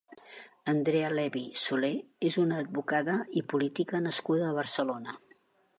Andrea Levy Soler és una advocada i política nascuda a Barcelona.